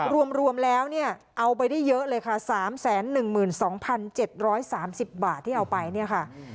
รวมรวมแล้วเนี่ยเอาไปได้เยอะเลยค่ะสามแสนหนึ่งหมื่นสองพันเจ็ดร้อยสามสิบบาทที่เอาไปเนี่ยค่ะ